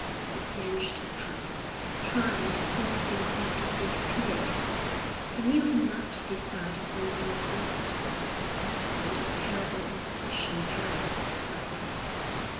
He clenched his hands, trying to force himself to think clearly; he knew he must decide upon some course at once, and a terrible indecision paralysed his ideas.